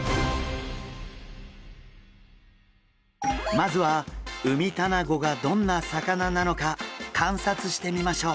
まずはウミタナゴがどんな魚なのか観察してみましょう。